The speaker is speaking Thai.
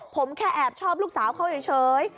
ผมแค่แอบชอบลูกสาวเขาเฉย